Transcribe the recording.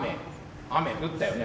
雨降ったよね